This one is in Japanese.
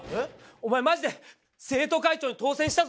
おまえマジで生徒会長に当選したぞ！